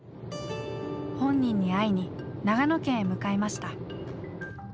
本人に会いに長野県へ向かいました。